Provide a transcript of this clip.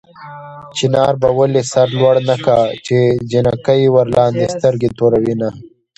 چنار به ولې سر لوړ نه کا چې جنکۍ ورلاندې سترګې توروينه